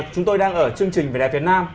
chúng tôi đang ở chương trình vnvn